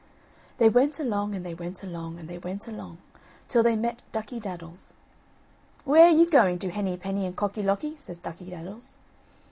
They went along, and they went along, and they went along, till they met Ducky daddles. "Where are you going to, Henny penny and Cocky locky?" says Ducky daddles.